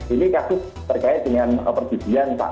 ini kasus terkait dengan pergibian